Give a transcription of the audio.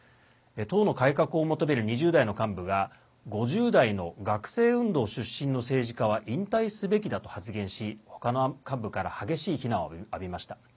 党の改革を求める２０代の幹部が５０代の学生運動出身の政治家は引退すべきだと発言しほかの幹部から激しい非難を浴びました。